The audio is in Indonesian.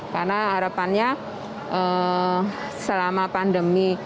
karena harapannya selama pandemi